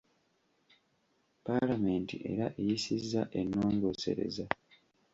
Paalamenti era eyisizza ennongoosereza.